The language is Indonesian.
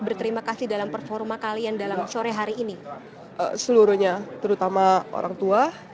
berterima kasih dalam performa kalian dalam sore hari ini